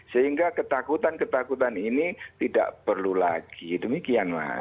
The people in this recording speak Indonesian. sehingga ketakutan ketakutan ini tidak perlu lagi demikian mas